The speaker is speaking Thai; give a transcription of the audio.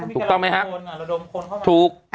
ถูกต้องไหมฮะถูกมันมีการขนคนอ่ะเราโดมขนเข้ามา